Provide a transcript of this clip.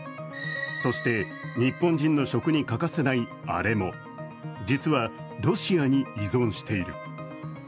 そして、日本人の食に欠かせないあれも実は、ロシアに依存している。